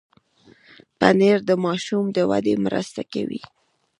پنېر د ماشوم د ودې مرسته کوي.